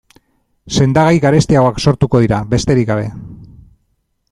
Sendagai garestiagoak sortuko dira, besterik gabe.